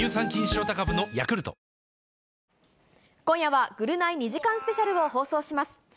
今夜は、ぐるナイ２時間スペシャルを放送します。